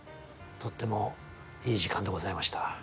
とってもいい時間でございました。